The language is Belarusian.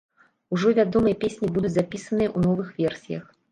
Ужо вядомыя песні будуць запісаныя ў новых версіях.